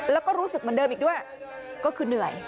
แล้วก็รู้สึกเหมือนเดิมอีกด้วยก็คือเหนื่อย